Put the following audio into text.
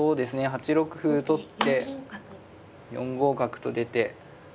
８六歩取って４五角と出て。